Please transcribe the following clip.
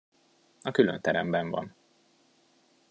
A különteremben van.